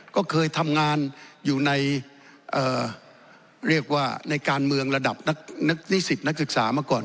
ก็เคยทำงานอยู่ในการเมืองระดับนิสิตนักศึกษามาก่อน